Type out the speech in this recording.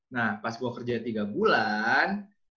nah pas gue kerjanya tiga bulan